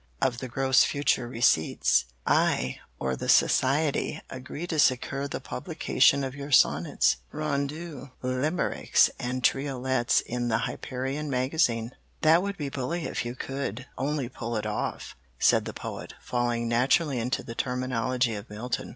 of the gross future receipts, I, or the Society, agree to secure the publication of your sonnets, rondeaux, limericks, and triolets in the Hyperion Magazine." "That would be bully if you could only pull it off," said the Poet, falling naturally into the terminology of Milton.